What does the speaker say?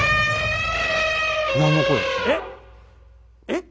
えっ？